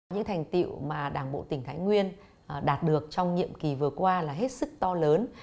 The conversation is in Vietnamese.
những thành tiệu mà đảng bộ tỉnh thái nguyên đạt được trong nhiệm kỳ vừa qua là hết sức to lớn